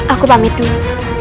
aku pamit dulu